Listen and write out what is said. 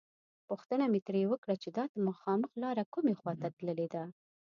پوښتنه مې ترې وکړه چې دا مخامخ لاره کومې خواته تللې ده.